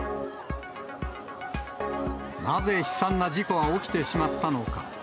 なぜ悲惨な事故は起きてしまったのか。